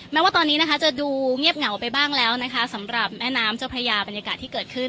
แม้ว่าตอนนี้นะคะจะดูเงียบเหงาไปบ้างแล้วนะคะสำหรับแม่น้ำเจ้าพระยาบรรยากาศที่เกิดขึ้น